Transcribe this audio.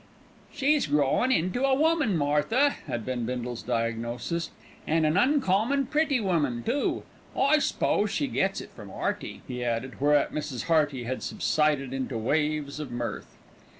"She's growin' into a woman, Martha," had been Bindle's diagnosis; "an' an uncommon pretty woman, too. I s'pose she gets it from 'Earty," he added, whereat Mrs. Hearty had subsided into waves of mirth.